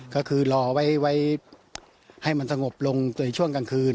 ก็คือรอไว้ให้มันสงบลงในช่วงกลางคืน